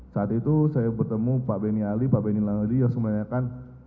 saat itu saya bertemu pak benny ali pak benny langodi yang sempat tanya kan